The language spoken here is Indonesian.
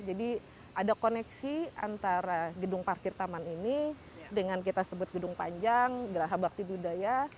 jadi ada koneksi antara gedung parkir taman ini dengan kita sebut gedung panjang geraha bakti budaya